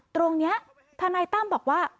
ตรงนี้ทนายตั้มบอกว่า